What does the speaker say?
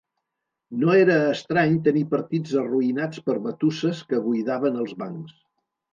No era estrany tenir partits arruïnats per batusses que buidaven els bancs.